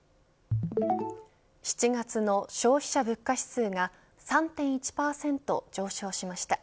７月の消費者物価指数が３．１％上昇しました。